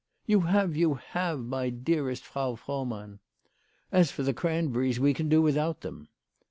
" You have, you have, my dearest Frau Frohmann." " As for the cranberries, we can do without them."